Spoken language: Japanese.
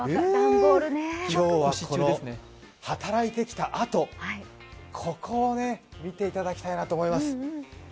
今日はこの働いてきたあとここをね、見ていただきたいと思います。